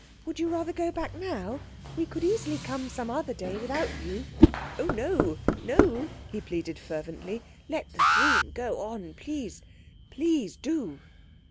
Would you rather go back now? We could easily come some other day without you." "Oh, no, no," he pleaded fervently; "let the dream go on. Please, please do."